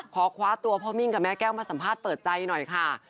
ขอคว้าตัวพ่อมิ่งกับแม่แก้วมาสัมภาษณ์เปิดใจหน่อยค่ะ